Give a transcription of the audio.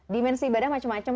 dimensi ibadah macam macam